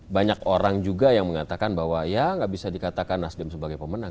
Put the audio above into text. banyak orang juga yang mengatakan bahwa ya nggak bisa dikatakan nasdem sebagai pemenang